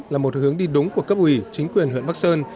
là một hướng đi đúng của cấp ủy chính quyền huyện bắc sơn